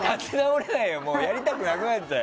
やりたくなくなっちゃう。